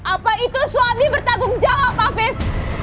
apa itu suami bertanggung jawab afif